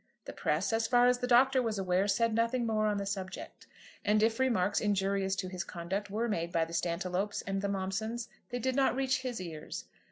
The press, as far as the Doctor was aware, said nothing more on the subject. And if remarks injurious to his conduct were made by the Stantiloups and the Momsons, they did not reach his ears.